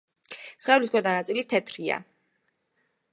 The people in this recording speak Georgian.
სხეულის ქვედა ნაწილი თეთრია.